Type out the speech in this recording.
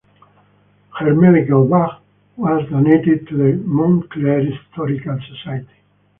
Her medical bag was donated to the Montclair Historical Society.